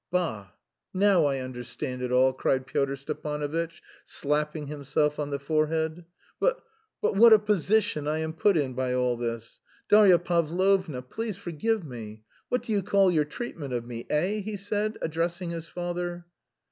"Bah! Now I understand it all!" cried Pyotr Stepanovitch, slapping himself on the forehead. "But... but what a position I am put in by all this! Darya Pavlovna, please forgive me!... What do you call your treatment of me, eh?" he said, addressing his father.